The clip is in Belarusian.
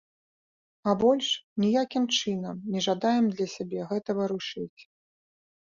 А больш ніякім чынам не жадаем для сябе гэта варушыць.